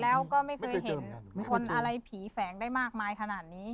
แล้วก็ไม่เคยเห็นคนอะไรผีแฝงได้มากมายขนาดนี้